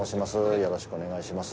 よろしくお願いします。